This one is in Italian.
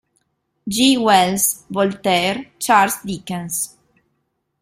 G. Wells, Voltaire, Charles Dickens.